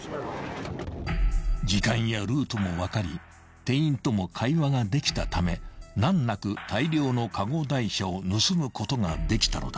［時間やルートも分かり店員とも会話ができたため難なく大量のカゴ台車を盗むことができたのだ］